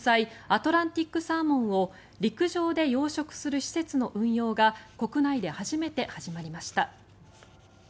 アトランティックサーモンを陸上で養殖する施設の運用が国内で初めて始まりました。